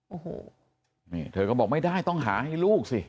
โอ้โหนี่เธอก็บอกไม่ได้ต้องหาให้ลูกสิ